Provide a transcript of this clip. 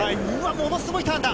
ものすごいターンだ。